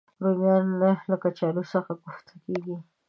رومیان له کچالو سره کوفته کېږي